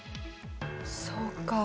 そうかあ。